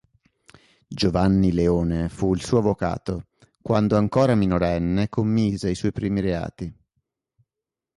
Giovanni Leone fu il suo avvocato quando ancora minorenne commise i suoi primi reati.